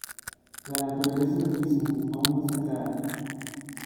La naturaleza del mismo aún no está clara.